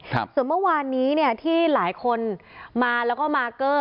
ส่วนเมื่อวานนี้เนี่ยที่หลายคนมาแล้วก็มาร์เกอร์